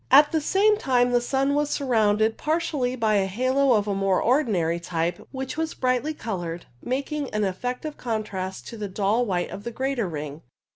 At the same time the sun was surrounded par tially by a halo of the more ordinary type, which was brightly coloured, making an effective contrast to the dull white of the greater ring.